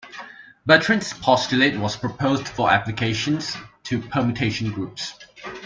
Bertrand's postulate was proposed for applications to permutation groups.